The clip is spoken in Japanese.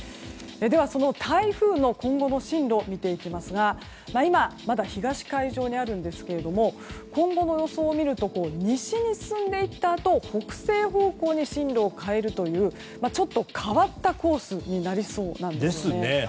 その台風の今後の進路を見ていきますが今、まだ東海上にあるんですが今後の予想を見ると西に進んでいったあと北西方向に進路を変えるというちょっと変わったコースになりそうなんです。